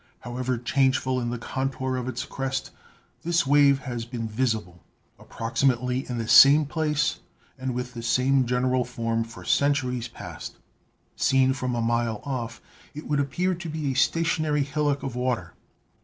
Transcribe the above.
However changeful in the contour of its crest, this wave has been visible, approximately in the same place and with the same general form, for cen turies past. Seen from a mile off, it would appear to be a stationary hillock of water.